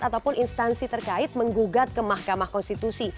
ataupun instansi terkait menggugat ke mahkamah konstitusi